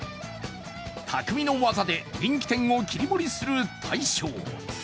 匠の技で人気店を切り盛りする大将。